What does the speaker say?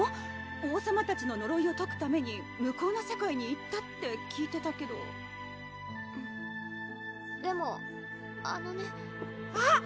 王さまたちののろいをとくために向こうの世界に行ったって聞いてたけどうんでもあのねあっ！